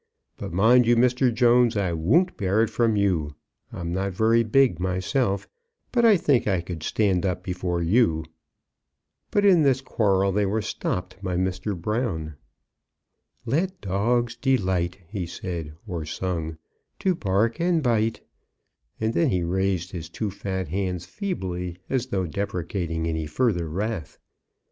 But mind you, Mr. Jones, I won't bear it from you! I'm not very big myself, but I think I could stand up before you!" But in this quarrel they were stopped by Mr. Brown. "Let dogs delight," he said or sung, "to bark and bite; " and then he raised his two fat hands feebly, as though deprecating any further wrath.